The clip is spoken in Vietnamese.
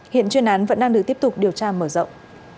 hiện chuyên án vẫn đang được tiếp tục điều tra mở rộng